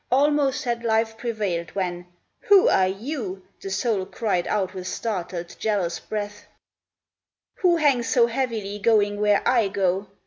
Almost had life prevailed when, " Who are you," The soul cried out with startled, jealous breath, " Who hang so heavily, going where I go